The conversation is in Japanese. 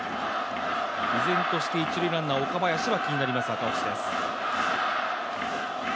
依然として一塁ランナー岡林が気になる赤星です。